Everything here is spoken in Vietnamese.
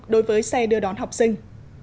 đối với xe đưa đón học sinh